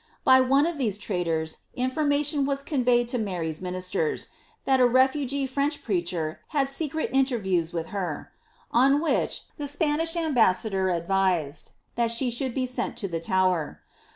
By one of these traitors information was conveyed to Biary'to ministers, that a refugee French preacher had secret interviews with her; on which the Spanish amhassador advised, that she should be sent to tlie Tower.